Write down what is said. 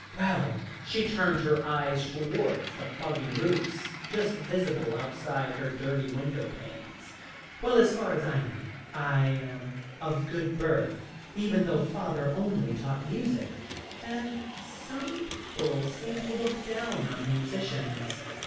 Well," she turned her eyes towards the foggy roofs just visible outside her dirty window panes, "well, as far as I know I am of good birth, even though father only taught music; and some people seem to look down on musicians.